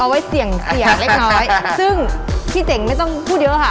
ไว้เสี่ยงเสี่ยงเล็กน้อยซึ่งพี่เจ๋งไม่ต้องพูดเยอะค่ะ